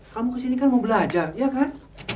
kamu kesini kan mau belajar ya kan